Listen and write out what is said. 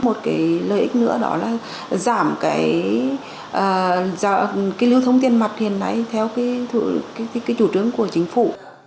một cái lợi ích nữa đó là giảm cái lưu thông tiền mặt hiện nay theo cái chủ trương của chính phủ